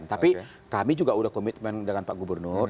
tapi kami juga sudah komitmen dengan pak gubernur